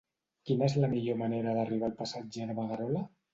Quina és la millor manera d'arribar al passatge de Magarola?